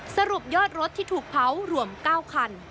สรุปยอดรถที่ถูกเผารวม๙คัน